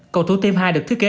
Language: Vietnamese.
cầu thủ thiêm hai được thiết kế